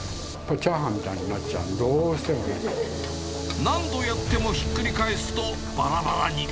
チャーハンみたいになっちゃんで、何度やってもひっくり返すとばらばらに。